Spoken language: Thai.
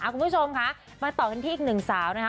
คุณผู้ชมค่ะมาต่อกันที่อีกหนึ่งสาวนะคะ